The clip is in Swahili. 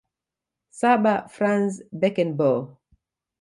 Saba Franz Beckenbaue